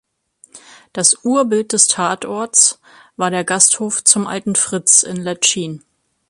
Das Urbild des Tatortes war der Gasthof "Zum alten Fritz" in Letschin.